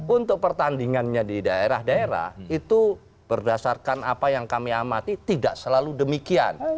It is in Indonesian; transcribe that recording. untuk pertandingannya di daerah daerah itu berdasarkan apa yang kami amati tidak selalu demikian